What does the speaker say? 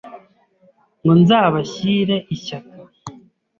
Ngo nzabashyire ishyaka